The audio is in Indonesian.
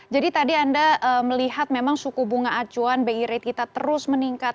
jadi tadi anda melihat memang suku bunga acuan bi rate kita terus meningkat